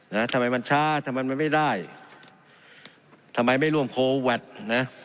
นะทำไมมันช้าทำไมมันไม่ได้ทำไมไม่ร่วมโคแวดนะ